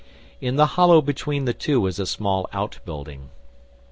In the hollow between the two is a small outbuilding.